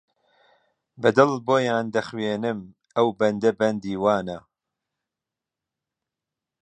بە دڵ بۆیان دەخوێنم ئەو بەندە بەندی وانە